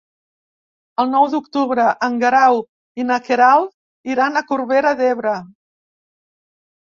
El nou d'octubre en Guerau i na Queralt iran a Corbera d'Ebre.